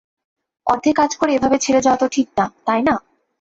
অর্ধেক কাজ করে এভাবে ছেড়ে যাওয়া তো ঠিক না, তাই না?